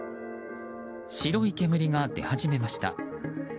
白い煙が出始めました。